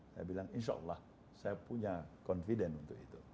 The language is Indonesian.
saya bilang insya allah saya punya confident untuk itu